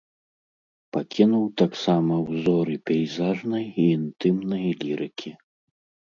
Пакінуў таксама ўзоры пейзажнай і інтымнай лірыкі.